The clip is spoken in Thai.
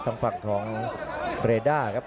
ส่วนหน้านั้นอยู่ที่เลด้านะครับ